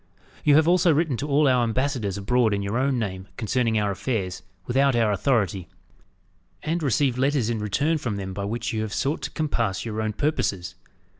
You have also written to all our ambassadors abroad in your own name concerning our affairs, without our authority; and received letters in return from them by which you have sought to compass your own purposes.